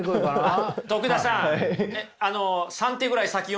徳田さん